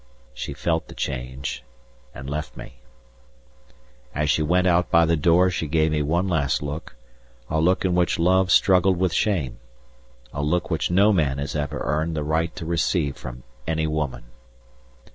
She felt the change, and left me. As she went out by the door she gave me one last look, a look in which love struggled with shame, a look which no man has ever earned the right to receive from any woman.